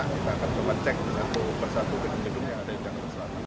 kita akan coba cek satu persatu gedung gedung yang ada di jakarta selatan